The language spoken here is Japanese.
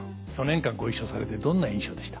４年間ご一緒されてどんな印象でした？